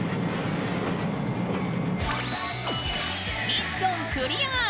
ミッションクリアー！